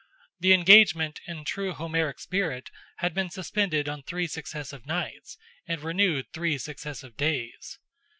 The engagement, in true Homeric spirit, had been suspended on three successive nights, and renewed three successive days.